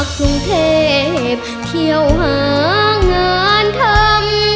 กรุงเทพเที่ยวหางานทำ